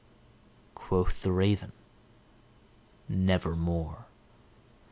Quoth the Raven, "Nevermore."